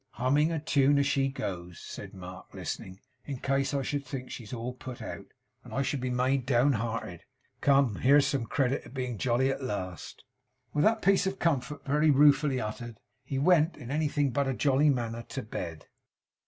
'Humming a tune as she goes,' said Mark, listening, 'in case I should think she's at all put out, and should be made down hearted. Come, here's some credit in being jolly, at last!' With that piece of comfort, very ruefully uttered, he went, in anything but a jolly manner, to bed.